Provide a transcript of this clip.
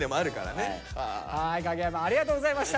影山ありがとうございました！